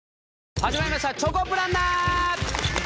始まりました『チョコプランナー』！